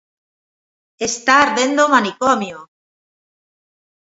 "¡Está ardendo o manicomio!"